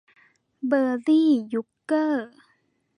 เบอร์ลี่ ยุคเกอร์